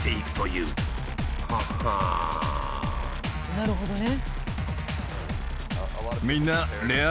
なるほどね。